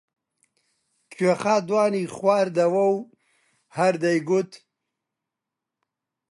کوێخا دوانی خواردەوە و هەر دەیگوت: